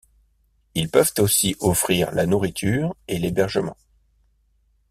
Ils peuvent aussi offrir la nourriture et l'hébergement.